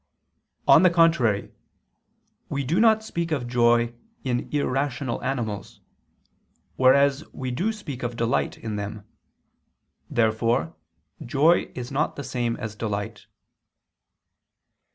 On the contrary, We do not speak of joy in irrational animals; whereas we do speak of delight in them. Therefore joy is not the same as delight.